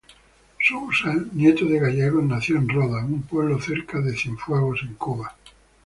Sousa, nieto de gallegos, nació en Rodas, un pueblo cerca de Cienfuegos, en Cuba.